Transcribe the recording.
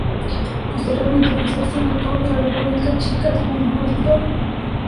Posteriormente fue sexto en el Tour de la República Checa como mejor resultado.